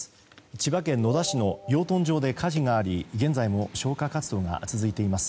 千葉県野田市の養豚場で火事があり現在も消火活動が続いています。